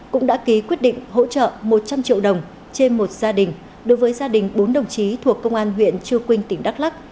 cũng đã ký quyết định hỗ trợ một trăm linh triệu đồng trên một gia đình đối với gia đình bốn đồng chí thuộc công an huyện chư quynh tỉnh đắk lắc